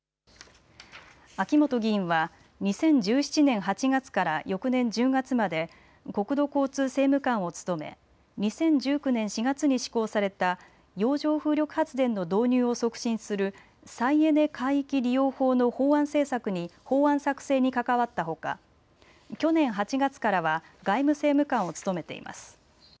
秋本議員は２０１７年８月から翌年１０月まで国土交通政務官を務め２０１９年４月に施行された洋上風力発電の導入を促進する再エネ海域利用法の法案作成に関わった他去年８月からは外務政務官を務めています。